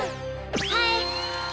はい！